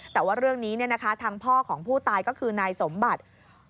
แต่ว่าเรื่องนี้ทางพ่อของผู้ตายก็คือนายสมบัติ